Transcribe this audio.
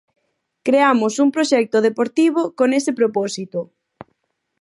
Creamos un proxecto deportivo con ese propósito.